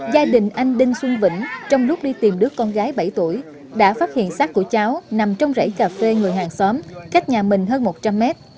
gia đình anh đinh xuân vĩnh trong lúc đi tìm đứa con gái bảy tuổi đã phát hiện sát của cháu nằm trong rẫy cà phê người hàng xóm cách nhà mình hơn một trăm linh mét